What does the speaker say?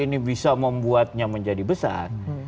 ini bisa membuatnya menjadi besar